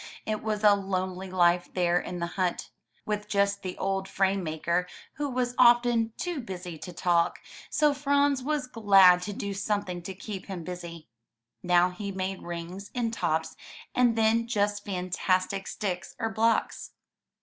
It was a lonely life there in the hut, with just the old frame maker, who was often too busy to talk, so Franz was glad to do something to keep him busy. Now he made rings and tops and then just fantastic sticks or blocks.